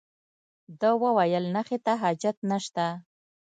ده وویل نخښې ته حاجت نشته.